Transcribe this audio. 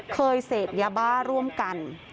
เคยเสพยาบ้าร่วมกัน